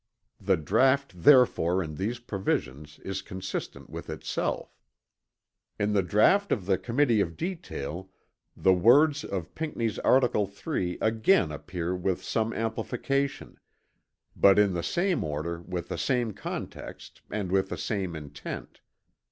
The draught therefore in these provisions is consistent with itself. In the draught of the Committee of Detail the words of Pinckney's article 3 again appear with some amplification, but in the same order with the same context and with the same intent.